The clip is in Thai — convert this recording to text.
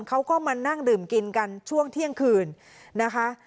เขาก็มานั่งดื่มกินกันช่วงเที่ยงคืนนะคะ